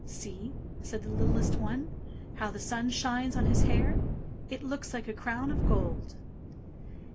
"See!" said the littlest one. "How the sun shines on his hair! it looks like a crown of gold."